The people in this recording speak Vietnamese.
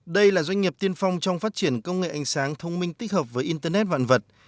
đây là doanh nghiệp tiên phong trong phát triển công nghệ ánh sáng thông minh tích hợp với internet vạn vật